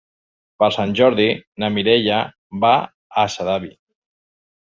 Per Sant Jordi na Mireia va a Sedaví.